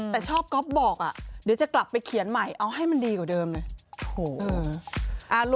แต่ชอบก๊อฟบอกเดี๋ยวจะกลับไปเขียนใหม่เอาให้มันดีกว่าเดิมไหม